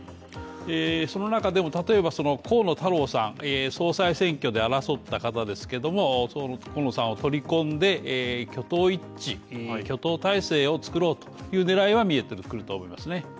その中でも例えば、河野太郎さん、総裁選挙で争った方ですけれども河野さんを取り込んで挙党態勢をつくろうという狙いは見えてくると思いますね。